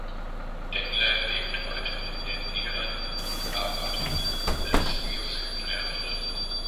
Dengler lebt heute in den Niederlanden und arbeitet als Musical-Lehrerin.